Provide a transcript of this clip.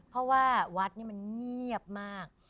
เพราะว่าวัดนี่มันเงียบมาก